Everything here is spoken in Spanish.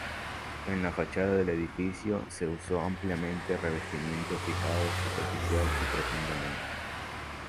En la fachada del edificio se usó ampliamente revestimiento fijado superficial y profundamente.